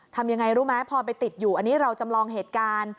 ทำยังไงรู้ไหมพอไปติดอยู่อันนี้เราจำลองเหตุการณ์